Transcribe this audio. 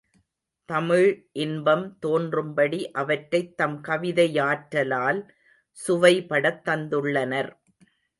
தமிழ் இன்பம் தோன்றும்படி அவற்றைத் தம் கவிதை யாற்றலால் சுவைபடத் தந்துள்ளனர்.